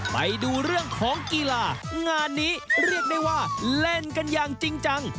ไปดูเรื่องของกีฬางานนี้เรียกได้ว่าเล่นกันอย่างจริงจัง